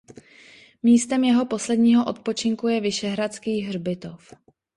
Místem jeho posledního odpočinku je Vyšehradský hřbitov.